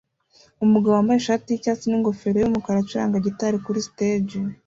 Umugabo wambaye ishati yicyatsi ningofero yumukara acuranga gitari kuri stage